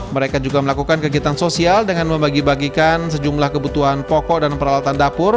mereka juga melakukan kegiatan sosial dengan membagi bagikan sejumlah kebutuhan pokok dan peralatan dapur